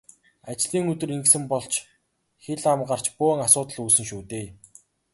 Ажлын өдөр ингэсэн бол ч хэл ам гарч бөөн асуудал үүснэ шүү дээ.